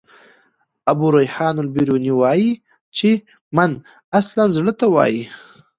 ابو ریحان البروني وايي چي: "من" اصلاً زړه ته وايي.